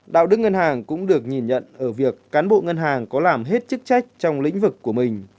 đạo đức ngân hàng cũng được nhìn nhận ở việc cán bộ ngân hàng có làm hết chức trách trong lĩnh vực của mình